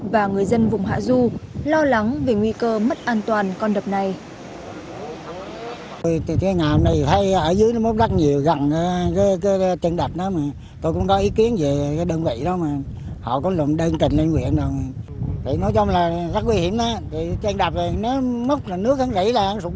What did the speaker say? và người dân vùng hạ du lo lắng về nguy cơ mất an toàn con đập này